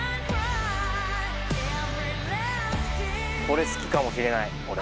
これ好きかもしれない俺。